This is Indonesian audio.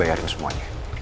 jadi waar ini terserah